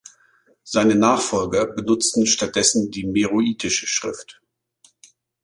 Seine Nachfolger benutzten stattdessen die meroitische Schrift.